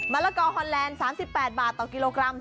ละกอฮอนแลนด์๓๘บาทต่อกิโลกรัม